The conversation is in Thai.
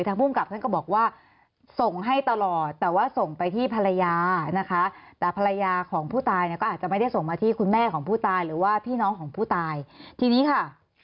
ภูมิกับท่านก็บอกว่าส่งให้ตลอดแต่ว่าส่งไปที่ภรรยานะคะแต่ภรรยาของผู้ตายเนี่ยก็อาจจะไม่ได้ส่งมาที่คุณแม่ของผู้ตายหรือว่าพี่น้องของผู้ตายทีนี้ค่ะ